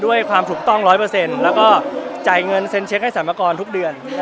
ด้วยความถูกต้อง๑๐๐แล้วก็จ่ายเงินเซ็นเช็คให้สรรพากรทุกเดือน